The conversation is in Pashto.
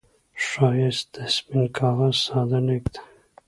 ښایست د سپين کاغذ ساده لیک دی